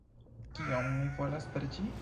Kion mi volas per ĝi?